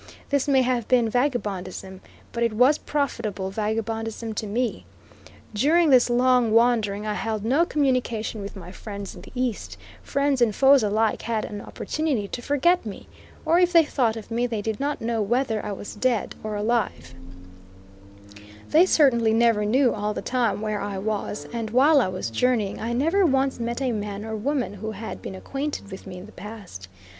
This may have been vagabondism, but it was profitable vagabondism to me. During this long wandering I held no communication with my friends in the East; friends and foes alike had an opportunity to forget me, or if they thought of me they did not know whether I was dead or alive; they certainly never knew, all the time, where I was; and while I was journeying I never once met a man or woman who had been acquainted with me in the past.